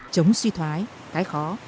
chống suy thoái cái khó